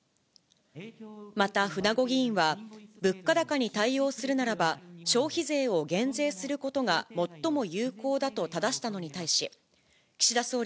また、船後議員は、物価高に対応するならば、消費税を減税することが最も有効だとただしたのに対し、岸田総理